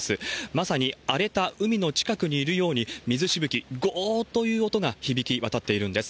まさに荒れた海の近くにいるように、水しぶき、ごーっという音が響き渡っているんです。